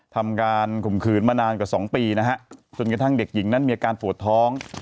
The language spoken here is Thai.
ทำการข่มขืนมานานกว่า๒ปีนะฮะจนกระทั่งเด็กหญิงนั้นมีอาการปวดท้อง